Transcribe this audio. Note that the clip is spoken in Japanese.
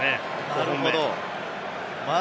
なるほど。